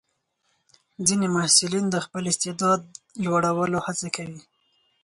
ځینې محصلین د خپل استعداد لوړولو هڅه کوي.